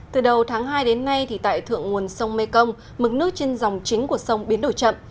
từ đầu tháng hai đến nay tại thượng nguồn sông mê công mức nước trên dòng chính của sông biến đổi chậm